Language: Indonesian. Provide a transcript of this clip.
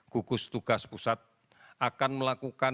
gugus tugas pusat akan melakukan